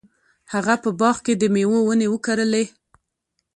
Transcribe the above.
هغه په باغ کې د میوو ونې وکرلې.